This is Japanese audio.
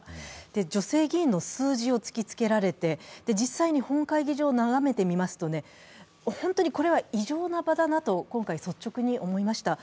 女性議員の数字を突きつけられて実際に本会議場を眺めてみますと本当にこれは異常な場だなと今回、率直に思いました。